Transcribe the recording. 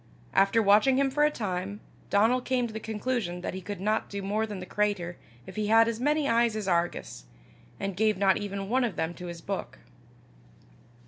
After watching him for a time, Donal came to the conclusion that he could not do more than the cratur if he had as many eyes as Argus, and gave not even one of them to his book.